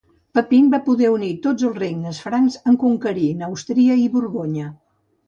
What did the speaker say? Pepin va poder unir tots els regnes francs en conquerir Neustria i Borgonya.